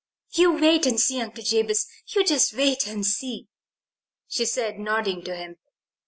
"You wait and see, Uncle Jabez you just wait and see," she said, nodding to him.